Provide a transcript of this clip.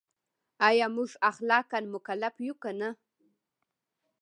ایا موږ اخلاقاً مکلف یو که نه؟